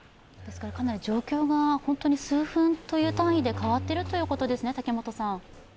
かなり状況が本当に数分という単位で変わっているということですね。